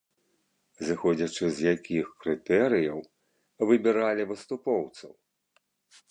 Зыходзячы з якіх крытэрыяў выбіралі выступоўцаў?